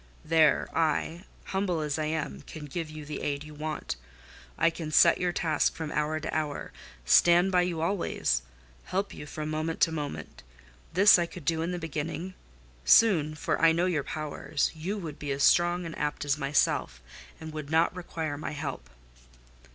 "There I, humble as I am, can give you the aid you want: I can set you your task from hour to hour; stand by you always; help you from moment to moment. This I could do in the beginning: soon (for I know your powers) you would be as strong and apt as myself, and would not require my help."